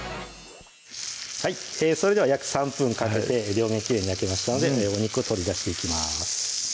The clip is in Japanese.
はいそれでは約３分かけて両面きれいに焼けましたのでお肉を取り出していきます